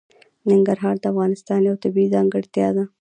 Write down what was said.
ننګرهار د افغانستان یوه طبیعي ځانګړتیا ده.